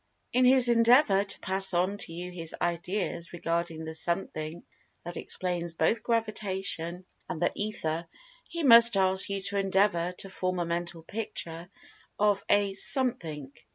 In his endeavor to pass on to you his ideas regarding the Something that explains both Gravitation and the Ether, he must ask you to endeavor to form a Mental Picture of a "Something."